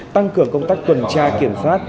tăng cường công tác quần tra kiểm soát